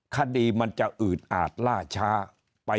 คดีมันจะอืดอาจล่าช้าไป